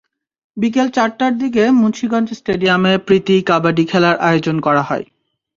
বিকেল চারটার দিকে মুন্সিগঞ্জ স্টেডিয়ামে প্রীতি কাবাডি খেলার আয়োজন করা হয়।